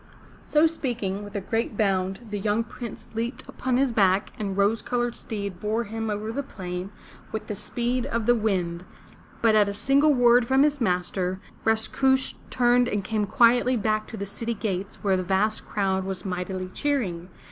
So speaking, with a great bound the young prince leaped 440 FROM THE TOWER WINDOW upon his back and the rose colored steed bore him over the plain, with the speed of the wind. But at a single word from his master, Raskush turned and came quietly back to the city gates where the vast crowd was mightily cheering.